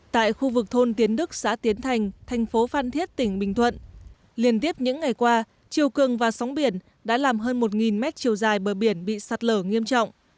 tại khu vực thôn tiến đức xã tiến thành thành phố phan thiết tỉnh bình thuận liên tiếp những ngày qua chiều cường và sóng biển đã làm hơn một mét chiều dài bờ biển bị sạt lở nghiêm trọng